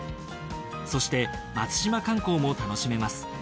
そして松島観光も楽しめます。